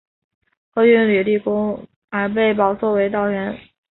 后因屡立军功而被保奏为道员。